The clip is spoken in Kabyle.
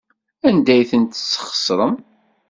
Anda ay tent-tesxeṣrem?